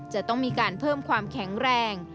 จะต้องมีการเพิ่มความแข็งแรง